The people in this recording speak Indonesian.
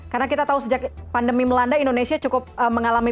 karena kita tahu sejak pandemi melanda indonesia cukup mengalami